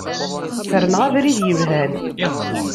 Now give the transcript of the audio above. Ferneɣ abrid yelhan.